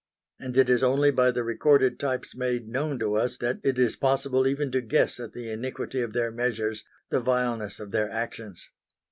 And it is only by the recorded types made known to us that it is possible even to guess at the iniquity of their measures, the vileness of their actions.